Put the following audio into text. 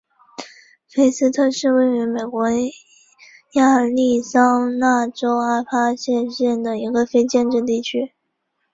菲斯特是位于美国亚利桑那州阿帕契县的一个非建制地区。